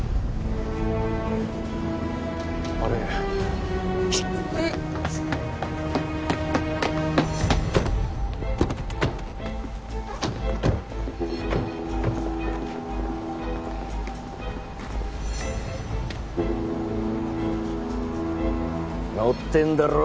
あれちょっ乗ってんだろ